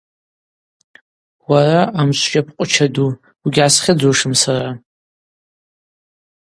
Уара, амшв щапӏкъвыча ду, угьгӏасхьыдзушым сара.